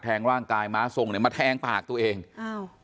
ร่างกายม้าทรงเนี่ยมาแทงปากตัวเองอ้าว